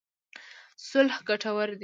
صلح ګټور دی.